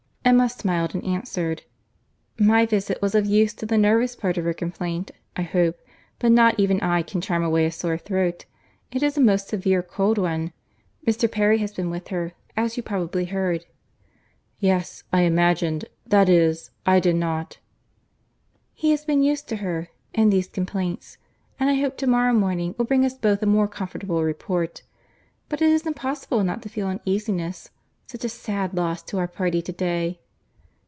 Emma smiled and answered—"My visit was of use to the nervous part of her complaint, I hope; but not even I can charm away a sore throat; it is a most severe cold indeed. Mr. Perry has been with her, as you probably heard." "Yes—I imagined—that is—I did not—" "He has been used to her in these complaints, and I hope to morrow morning will bring us both a more comfortable report. But it is impossible not to feel uneasiness. Such a sad loss to our party to day!"